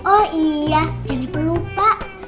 oh iya jangan diperlukan pak